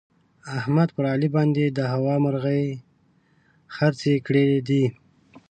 احمد پر علي باندې د هوا مرغۍ خرڅې کړې دي.